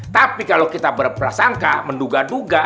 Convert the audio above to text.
tapi kalau kita berprasangka menduga duga